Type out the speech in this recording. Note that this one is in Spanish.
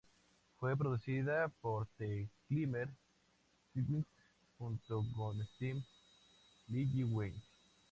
Fue producida por The Glimmer Twins junto con Steve Lillywhite.